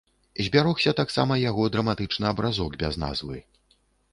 Збярогся таксама яго драматычны абразок без назвы.